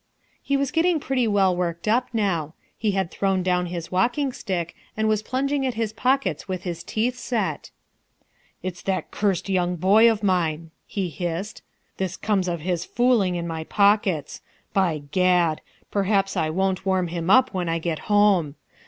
He was getting pretty well worked up now. He had thrown down his walking stick and was plunging at his pockets with his teeth set. "It's that cursed young boy of mine," he hissed; "this comes of his fooling in my pockets. By Gad! perhaps I won't warm him up when I get home.